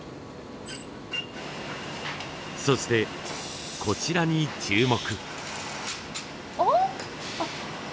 そしてこちらに注目。